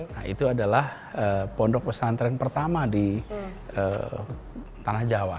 nah itu adalah pondok pesantren pertama di tanah jawa